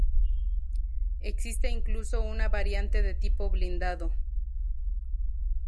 Existe incluso una variante de tipo blindado.